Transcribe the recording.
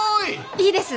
いいです！